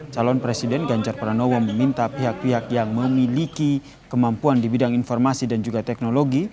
calon presiden ganjar pranowo meminta pihak pihak yang memiliki kemampuan di bidang informasi dan juga teknologi